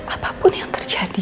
apapun yang terjadi